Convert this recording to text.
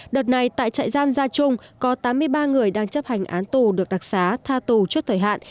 đợt này tại trại giam gia trung có tám mươi ba người đang chấp hành án tù được đặc xá tha tù trước thời hạn